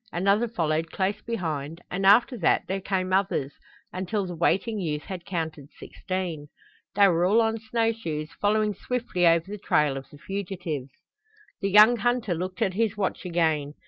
Another followed close behind, and after that there came others, until the waiting youth had counted sixteen. They were all on snow shoes, following swiftly over the trail of the fugitives. The young hunter looked at his watch again.